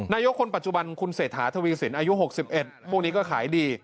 คนปัจจุบันคุณเศรษฐาทวีสินอายุ๖๑พวกนี้ก็ขายดี